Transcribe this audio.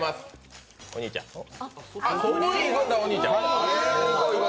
お兄ちゃん！